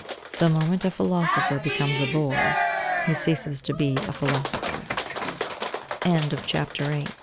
The moment a philosopher becomes a bore, he ceases to be a philosopher. To Wilfred Clayborn _